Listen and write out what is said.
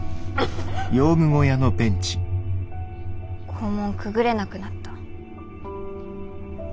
校門くぐれなくなった。